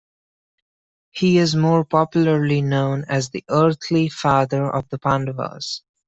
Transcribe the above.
He is more popularly known as the earthly father of the Pandavas.